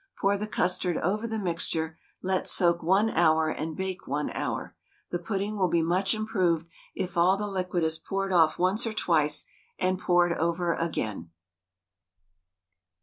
Pour the custard over the mixture, let soak 1 hour, and bake 1 hour. The pudding will be much improved if all the liquid is poured off once or twice, and poured over again.